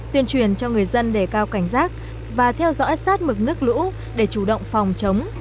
tuyên truyền cho người dân để cao cảnh giác và theo dõi sát mực nước lũ để chủ động phòng chống